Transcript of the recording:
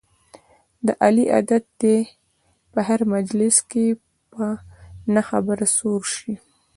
د علي عادت دی په هر مجلس کې په نه خبره سور شي.